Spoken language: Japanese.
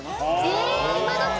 え今どき！